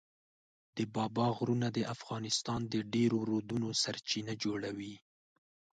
د بابا غرونه د افغانستان د ډېرو رودونو سرچینه جوړوي.